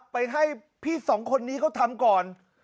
ไปให้พี่สองคนนี้เขาทำก่อน